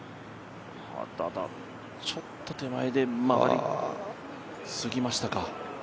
ただ、ちょっと手前で曲がりすぎましたか。